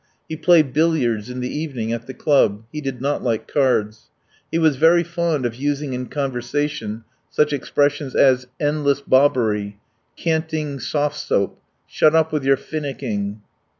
He played billiards in the evening at the club: he did not like cards. He was very fond of using in conversation such expressions as "endless bobbery," "canting soft soap," "shut up with your finicking.